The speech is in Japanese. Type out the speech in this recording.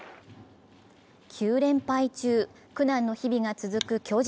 ９連敗中、苦難の日々が続く巨人。